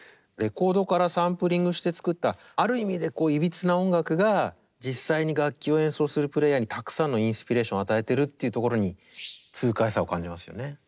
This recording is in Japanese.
レコードからサンプリングして作ったある意味でいびつな音楽が実際に楽器を演奏するプレーヤーにたくさんのインスピレーションを与えてるっていうところに痛快さを感じますよね。